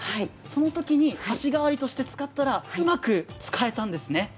そのときに箸代わりとして使ったらうまく使えたんですね。